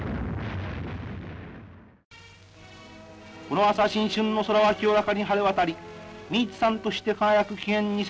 「この朝新春の空は清らかに晴れ渡り御稜威燦として輝く紀元